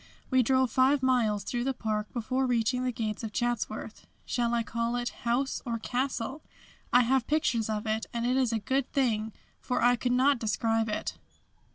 We drove five miles through the park before reaching the gates of Chatsworth shall I call it house or castle? I have pictures of it, and it is a good thing for I could not describe it.